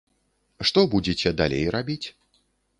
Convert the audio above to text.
Што будзеце далей рабіць?